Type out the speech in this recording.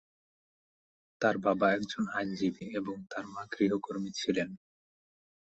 তার বাবা একজন আইনজীবী এবং তার মা গৃহকর্মী ছিলেন।